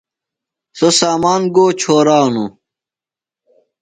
سوۡ سامان گو چھرانُوۡ؟